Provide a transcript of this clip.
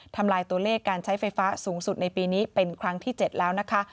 ทำลายตัวเลขการใช้ไฟฟ้าสูงสุดในปีนี้เป็นครั้งที่๗แล้วนะคะ